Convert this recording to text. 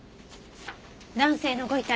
男性のご遺体。